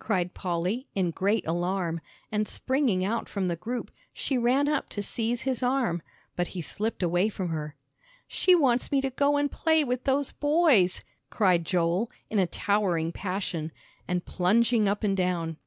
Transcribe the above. cried Polly, in great alarm, and springing out from the group, she ran up to seize his arm. But he slipped away from her. "She wants me to go and play with those boys," cried Joel, in a towering passion, and plunging up and down.